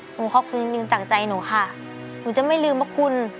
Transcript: ขอบคุณจริงจากใจหนูค่ะหนูจะไม่ลืมว่าคุณ